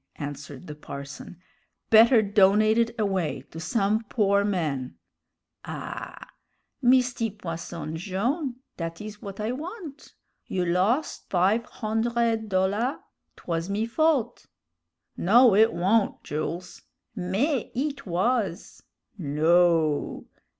answered the parson; "better donate it away to some poor man " "Ah! Misty Posson Jone', dat is w'at I want. You los' five hondred dollar' 'twas me fault." "No, it wa'n't, Jools." "Mais, it was!" "No!"